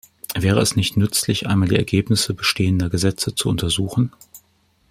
Wäre es nicht nützlich, einmal die Ergebnisse bestehender Gesetze zu untersuchen?